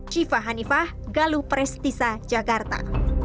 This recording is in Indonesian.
siva hanifah galuh prestisa jakarta